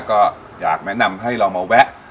ก็อยากแนะนำให้เรามาแวะ